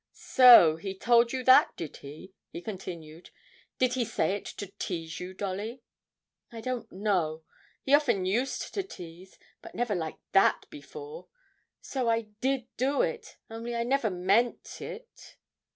'So he told you that, did he?' he continued; 'did he say it to tease you, Dolly?' 'I don't know. He often used to tease, but never like that before, and I did do it only I never never meant it.'